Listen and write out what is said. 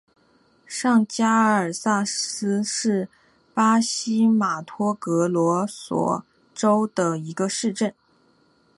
上加尔萨斯是巴西马托格罗索州的一个市镇。